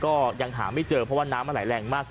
ก็ยังหาไม่เจอเพราะว่าน้ำมันไหลแรงมาก